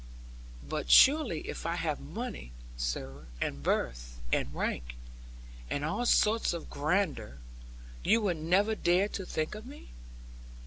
'But surely if I have money, sir, and birth, and rank, and all sorts of grandeur, you would never dare to think of me.'